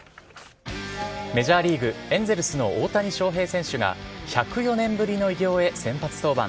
メジャーリーグエンゼルスの大谷翔平選手が１０４年ぶりの偉業へ先発登板。